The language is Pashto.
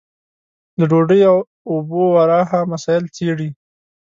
له ډوډۍ او اوبو ورها مسايل څېړي.